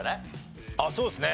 あっそうですね。